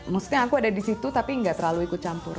maksudnya aku ada di situ tapi nggak terlalu ikut campur